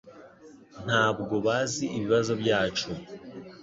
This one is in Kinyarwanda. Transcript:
Ntabwo bazi ibibazo byacu